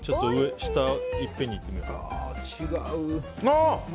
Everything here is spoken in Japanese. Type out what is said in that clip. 下もいっぺんにいってみようかな。